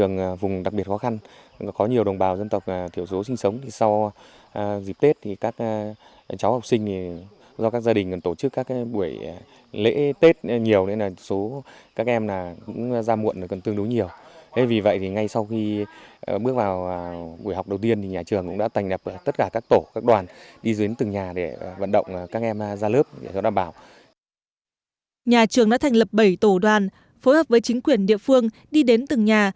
nhà trường đã thành lập bảy tổ đoàn phối hợp với chính quyền địa phương đi đến từng nhà